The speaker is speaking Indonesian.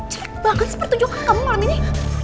celik banget seperti jokong kamu malam ini